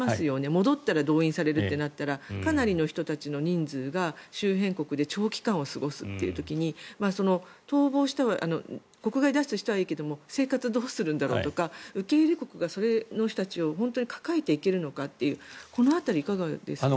戻ったら動員されるってなったらかなりの人たちの人数が周辺国で長期間過ごすという時に国外脱出したはいいけれども生活どうするんだろうとか受け入れ国がその人たちを本当に抱えていけるのかというこの辺りいかがですか。